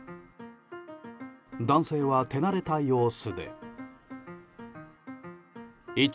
男性は手慣れた様子で。